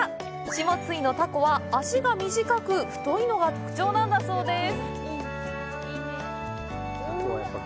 下津井のたこは足が短く、太いのが特徴なんだそうです。